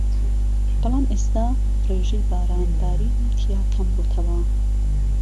بەڵام ئێستا ڕێژەی باران بارینی تیا کەم بۆتەوە